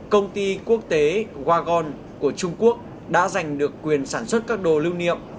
công ty quốc tế wagon của trung quốc đã giành được quyền sản xuất các đồ lưu niệm